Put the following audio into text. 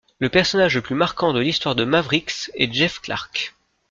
Le personnage le plus marquant de l'histoire de Mavericks est Jeff Clark.